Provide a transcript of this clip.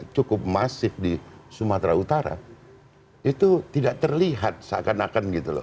cukup masif di sumatera utara itu tidak terlihat seakan akan gitu loh